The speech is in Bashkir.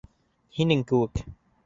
Һинең кеүек.